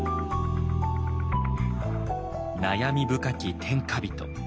悩み深き天下人。